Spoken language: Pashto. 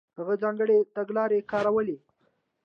هغه ځانګړې تګلارې کارولې.